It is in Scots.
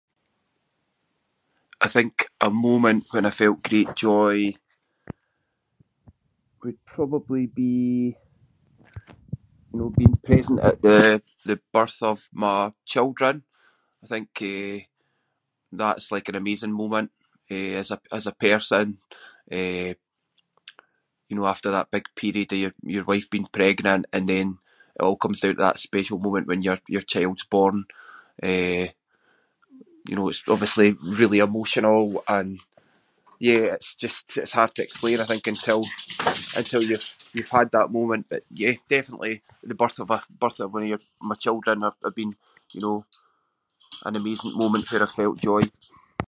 I think a moment when I felt great joy would probably be, you know, being present at the- the birth of my children. I think, eh, that’s like an amazing moment, eh, as a- as a person. Eh, you know, after that big period of your- your wife being pregnant and then it all comes down to that special moment when your- your child’s born. Eh, you know, it’s obviously really emotional and, yeah, it’s just- it’s hard to explain I think until- until you’ve- you've had that moment that, yeah- definitely birth of your- birth of one of your- my children have been, you know, an amazing moment where I felt joy.